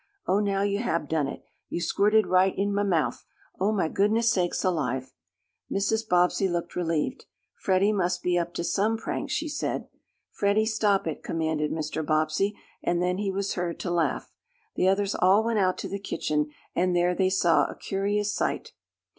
Oh, now yo' hab done it! Yo' squirted right in mah mouf! Oh mah goodness sakes alive!" Mrs. Bobbsey looked relieved. "Freddie must be up to some prank," she said. "Freddie, stop it!" commanded Mr. Bobbsey, and then he was heard to laugh. The others all went out to the kitchen and there they saw a curious sight.